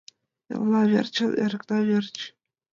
Элна верчын, эрыкна верч